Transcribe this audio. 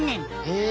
へえ！